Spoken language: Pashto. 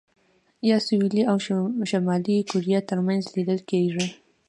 یا سوېلي او شمالي کوریا ترمنځ لیدل کېږي.